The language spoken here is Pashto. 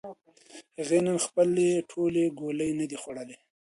هغې نن خپلې ټولې ګولۍ نه دي خوړلې.